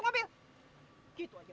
kalian bantu kejar